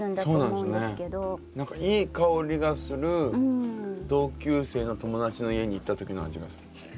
何かいい香りがする同級生の友達の家に行った時の味がする。